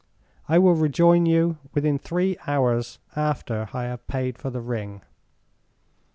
I will rejoin you within three hours after I have paid for the ring.